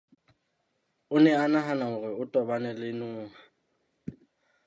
O ne a nahana hore o tobane le noha.